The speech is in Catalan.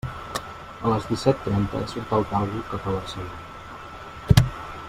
A les disset trenta surt el Talgo cap a Barcelona.